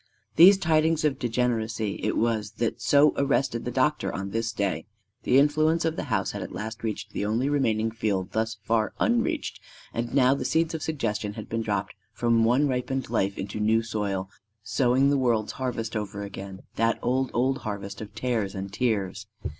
These tidings of degeneracy it was that so arrested the doctor on this day. The influence of the house had at last reached the only remaining field thus far unreached; and now the seeds of suggestion had been dropped from one ripened life into new soil, sowing the world's harvest over again that old, old harvest of tares and tears.